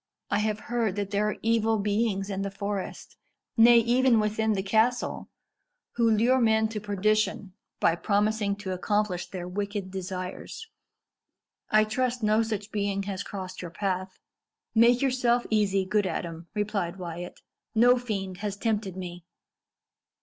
I have heard that there are evil beings in the forest nay, even within the castle who lure men to perdition by promising to accomplish their wicked desires. I trust no such being has crossed your path." "Make yourself easy, good Adam," replied Wyat; "no fiend has tempted me."